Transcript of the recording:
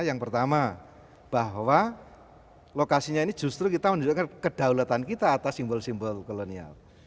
yang pertama bahwa lokasinya ini justru kita menunjukkan kedaulatan kita atas simbol simbol kolonial